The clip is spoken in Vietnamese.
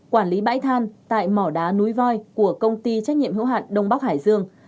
quản lý bãi than tại mỏ đá núi voi của công ty trách nhiệm hữu hạn đông bắc hải dương